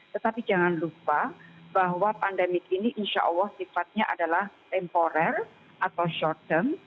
tetapi jangan lupa bahwa pandemik ini insya allah sifatnya adalah temporer atau short term